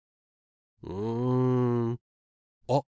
うんあっ